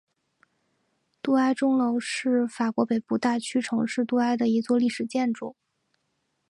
杜埃钟楼是法国北部大区城市杜埃的一座历史建筑。